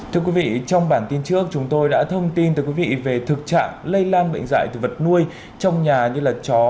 thưa quý vị trong bản tin trước chúng tôi đã thông tin về thực trạng lây lan bệnh dạy từ vật nuôi trong nhà như chó